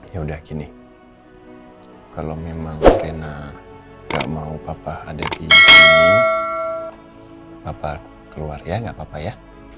ya udah gini kalau memang rena gak mau papa ada di sini papa keluar ya gak apa apa ya